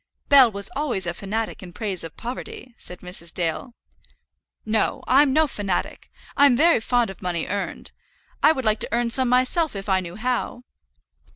"Bell was always a fanatic in praise of poverty," said Mrs. Dale. "No; I'm no fanatic. I'm very fond of money earned. I would like to earn some myself if I knew how."